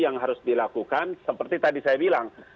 yang harus dilakukan seperti tadi saya bilang